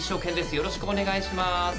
よろしくお願いします。